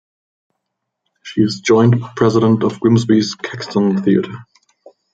She is joint President of Grimsby's Caxton Theatre.